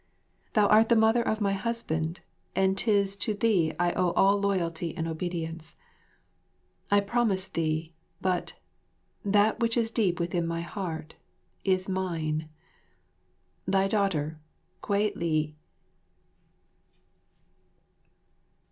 Thou art the mother of my husband, and 'tis to thee I owe all loyalty and obedience. I promise thee, but that which is deep within my heart is mine. Thy daughter, Kwei li.